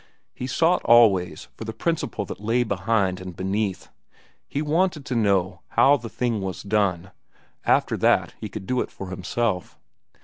He sought always for the principle that lay behind and beneath. He wanted to know how the thing was done; after that he could do it for himself.